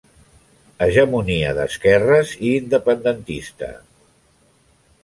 Hegemonia d'esquerres i independentista.